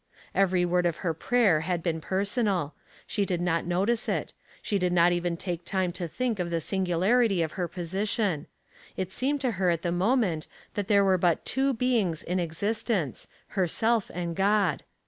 Every word of her prayer had been personal. She did not notice it; she did not even take time to think of the singularity of her position ; it seemed to her at the moment that there were but two beings in existence, herself and God.